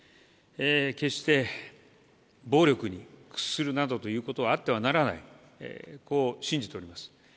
決して、暴力に屈するなどということはあってはならない、こう信じております。